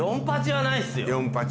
４８はないですよ。